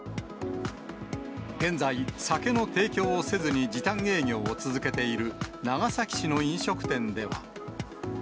現在、酒の提供をせずに時短営業を続けている長崎市の飲食店では。